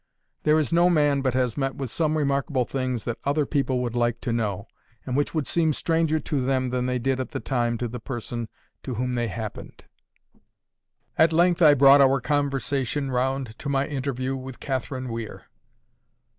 There is no man but has met with some remarkable things that other people would like to know, and which would seem stranger to them than they did at the time to the person to whom they happened. At length I brought our conversation round to my interview with Catherine Weir.